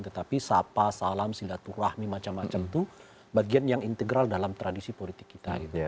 tetapi sapa salam silaturahmi macam macam itu bagian yang integral dalam tradisi politik kita